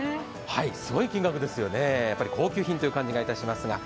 すごい金額ですよね、やっぱり高級品という感じがいたしますが。